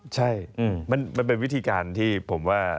ใช่มันเป็นวิธีการที่ผมว่า